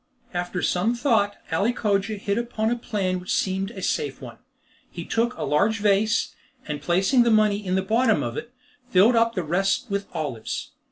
After some thought, Ali Cogia hit upon a plan which seemed a safe one. He took a large vase, and placing the money in the bottom of it, filled up the rest with olives.